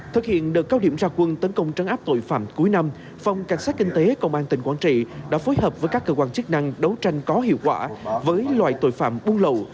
thực hiện đợt cao điểm ra quân tấn công trấn áp tội phạm cuối năm phòng cảnh sát kinh tế công an tỉnh quảng trị đã phối hợp với các cơ quan chức năng đấu tranh có hiệu quả với loại tội phạm buôn lậu